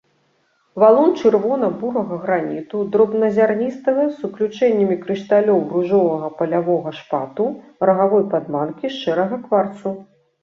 Валун чырвона-бурага граніту, дробназярністага з уключэннямі крышталёў ружовага палявога шпату, рагавой падманкі, шэрага кварцу.